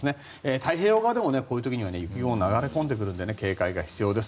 太平洋側でもこういう時には雪雲が流れ込んでくるので警戒が必要です。